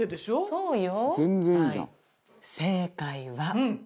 そうよ！